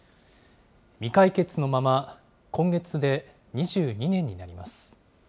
未解決のまま、今月で２２年になります。